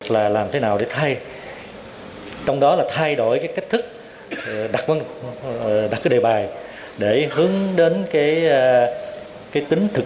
là làm thế nào để thay trong đó là thay đổi cái cách thức đặc cái đề bài để hướng đến cái tính thực